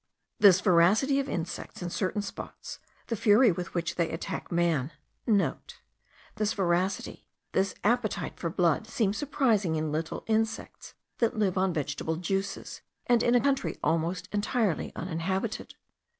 This voracity of insects in certain spots, the fury with which they attack man,* (* This voracity, this appetite for blood, seems surprising in little insects, that live on vegetable juices, and in a country almost entirely uninhabited.